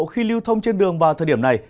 khi lưu thông trên đường vào thời điểm này